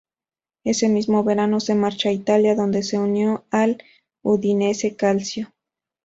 Ese mismo verano se marcha a Italia, donde se unió al Udinese Calcio.